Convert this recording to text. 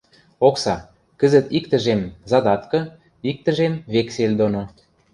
— Окса: кӹзӹт ик тӹжем — задаткы, ик тӹжем — вексель доно.